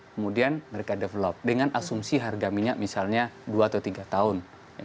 kemudian mereka develop dengan asumsi harga minyak misalnya dua atau tiga tahun